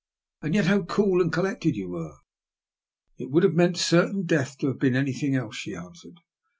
And yet how cool and collected yoa were !"*' It would have meant certain death to have been anything else," she answered.